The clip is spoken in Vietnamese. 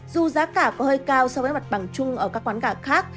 dù giá cả có hơi cao so với mặt bằng chung ở các quán gà khác